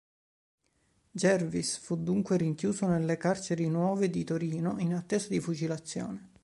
Jervis fu dunque rinchiuso nelle Carceri Nuove di Torino in attesa di fucilazione.